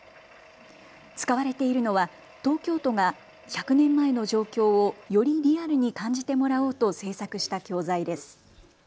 使われているのは東京都が１００年前の状況をよりリアルに感じてもらおうと制作した教材です。